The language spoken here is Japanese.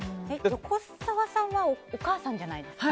横澤さんはお母さんじゃないですか。